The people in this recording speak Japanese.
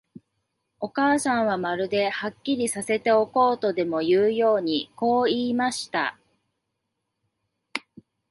お母さんは、まるで、はっきりさせておこうとでもいうように、こう言いました。